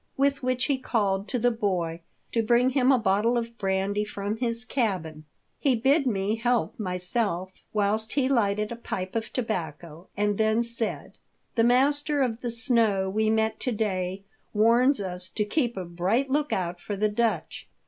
With which he called to the boy to bring him a bottle of brandy from his cabin. He bid me help myself whilst he lighted a pipe of tobacco, and then said :" The master of the snow we met to day warns us to keep a bright look out for the Dutch.